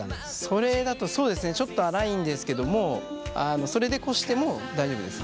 それだとそうですねちょっと粗いんですけどもそれでこしても大丈夫ですよ。